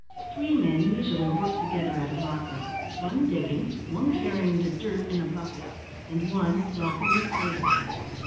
Three men usually worked together at a rocker, one digging, one carrying the "dirt" in a bucket, and one rocking the cradle.